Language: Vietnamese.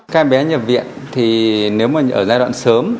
các bé nhập viện thì nếu mà ở giai đoạn sớm